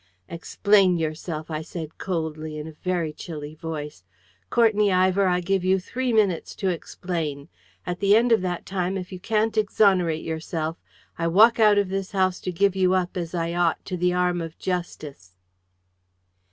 "Explain yourself," I said coldly, in a very chilly voice. "Courtenay Ivor, I give you three minutes to explain. At the end of that time, if you can't exonerate yourself, I walk out of this house to give you up, as I ought, to the arm of Justice!"